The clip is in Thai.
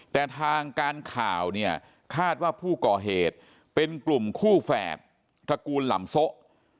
แต่ทางการข่าวเนี่ยคาดว่าผู้ก่อเหตุเป็นกลุ่มคู่แฝดตระกูลหล่ำโซะ